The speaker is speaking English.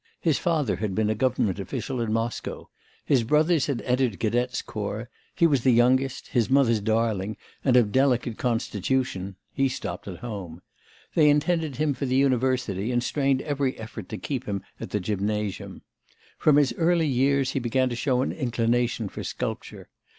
His father had been a government official in Moscow. His brothers had entered cadets' corps; he was the youngest, his mother's darling, and of delicate constitution; he stopped at home. They intended him for the university, and strained every effort to keep him at the gymnasium. From his early years he began to show an inclination for sculpture.